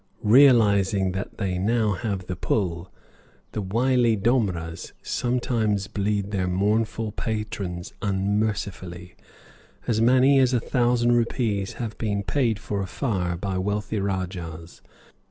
Realizing that they now have the pull, the wily domras sometimes bleed their mournful patrons unmercifully. As many as a thousand rupees have been paid for a fire by wealthy rajahs.